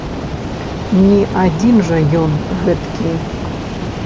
Не адзін жа ён гэткі!